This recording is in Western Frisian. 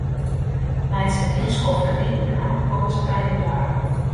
Nei't se in hiel skoft riden ha, komme se by in doarp.